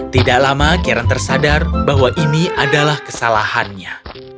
tidak lama karen tersadar bahwa ini adalah kesalahannya